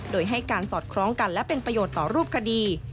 โดยให้การสอดคล้องกันและเป็นประโยชน์ต่อรูปคดี